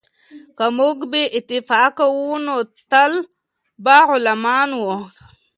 که موږ بې اتفاقه وو نو تل به غلامان وو.